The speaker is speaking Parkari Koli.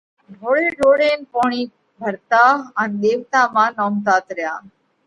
ڍوڙي ڍوڙينَ پوڻِي ڀرتا ان ۮيوَتا مانه نومتات ريا۔